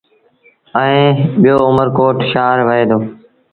ائيٚݩ ٻيٚو اُمر ڪوٽ شآهر وهي دو۔